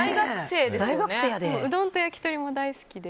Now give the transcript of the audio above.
うどんと焼き鳥も大好きで。